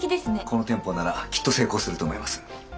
この店舗ならきっと成功すると思います。